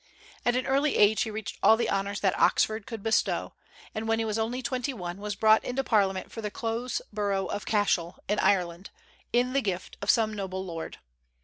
At an early age he reached all the honors that Oxford could bestow; and when he was only twenty one was brought into Parliament for the close borough of Cashel, in Ireland, in the gift of some noble lord.